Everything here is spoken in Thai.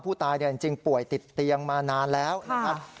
ผู้ตายจริงป่วยติดเตียงมานานแล้วนะครับ